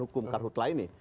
hukum karhutlah ini